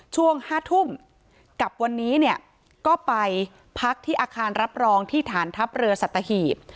ช่วง๕ทุ่มกับวันนี้เนี่ยก็ไปพักที่อาคารรับรองที่ฐานทัพเรือสัตหีบ